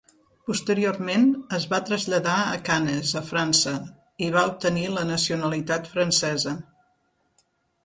Posteriorment, es va traslladar a Canes, a França, i va obtenir la nacionalitat francesa.